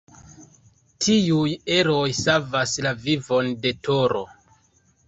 Tiuj eroj savas la vivon de Toro.